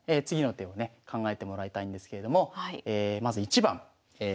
次の手をね考えてもらいたいんですけれどもまず１番。